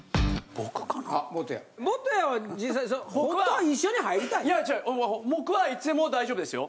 僕はいつでも大丈夫ですよ。